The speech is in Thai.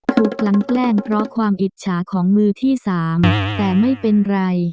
กลังแกล้งเพราะความอิจฉาของมือที่สามแต่ไม่เป็นไร